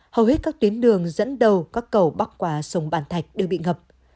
hầu hết các tuyến đường dẫn đầu các cầu bắc qua sông bản thạch đều bị ngập